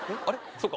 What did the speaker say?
そうか。